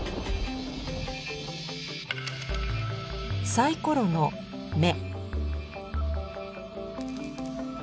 サイコロの目。